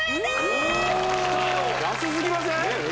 おお安すぎません？